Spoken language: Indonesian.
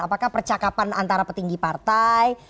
apakah percakapan antara petinggi partai